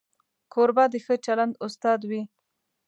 کوربه د ښه چلند استاد وي.